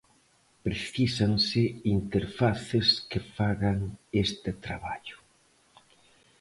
Precísanse interfaces que fagan este traballo.